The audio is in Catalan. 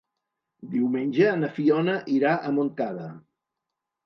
Diumenge na Fiona irà a Montcada.